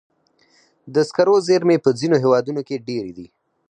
د سکرو زیرمې په ځینو هېوادونو کې ډېرې دي.